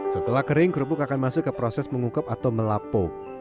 setelah kering kerupuk akan masuk ke proses mengungkap atau melapuk